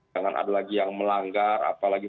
jangan ada lagi yang melanggar apalagi